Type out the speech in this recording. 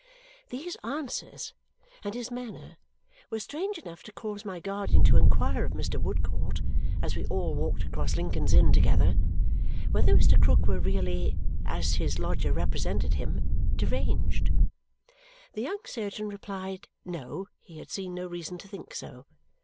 These answers and his manner were strange enough to cause my guardian to inquire of Mr. Woodcourt, as we all walked across Lincoln's Inn together, whether Mr. Krook were really, as his lodger represented him, deranged. The young surgeon replied, no, he had seen no reason to think so.